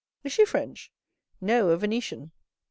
Is she French?" "No; a Venetian."